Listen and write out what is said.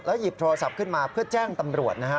หยิบโทรศัพท์ขึ้นมาเพื่อแจ้งตำรวจนะฮะ